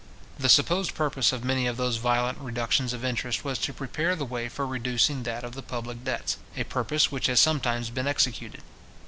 The supposed purpose of many of those violent reductions of interest was to prepare the way for reducing that of the public debts; a purpose which has sometimes been executed.